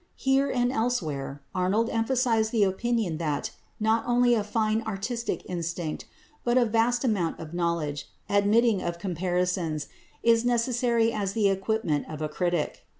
Here and elsewhere Arnold emphasised the opinion that not only a fine artistic instinct but a vast amount of knowledge, admitting of comparisons, is necessary as the equipment of a critic.